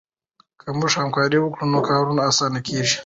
که موږ همکاري وکړو نو کارونه اسانه کېږي.